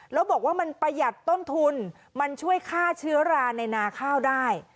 แล้วบอกว่ามันประหยัดต้นทุนมันช่วยฆ่าเชื้อราในนาข้าวได้